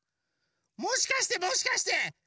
もしかしてもしかして。